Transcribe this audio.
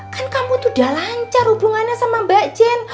kan kamu tuh udah lancar hubungannya sama mbak jen